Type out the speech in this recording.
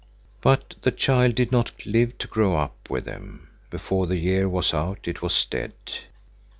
But the child did not live to grow up with them. Before the year was out it was dead.